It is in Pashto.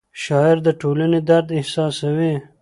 شاعر د ټولنې درد احساسوي.